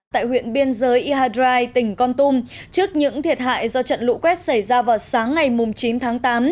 tại huyện biên giới iadrai tỉnh con tum trước những thiệt hại do trận lũ quét xảy ra vào sáng ngày chín tháng tám